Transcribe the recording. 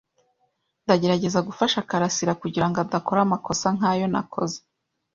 Ndagerageza gufasha karasira kugirango adakora amakosa nkayo nakoze.